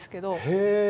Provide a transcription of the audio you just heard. へえ。